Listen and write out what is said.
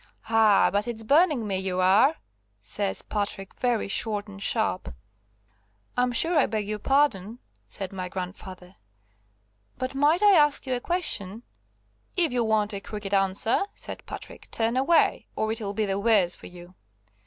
"Ah, but it's burning me, ye are!" says Patrick, very short and sharp. "I'm sure I beg your pardon," said my grandfather, "but might I ask you a question?" "If you want a crooked answer," said Patrick; "turn away, or it'll be the worse for you."